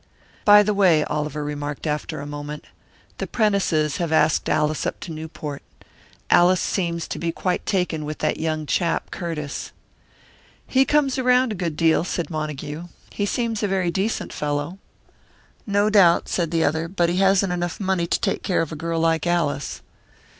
"By the way," Oliver remarked after a moment, "the Prentices have asked Alice up to Newport. Alice seems to be quite taken with that young chap, Curtiss." "He comes around a good deal," said Montague. "He seems a very decent fellow." "No doubt," said the other. "But he hasn't enough money to take care of a girl like Alice."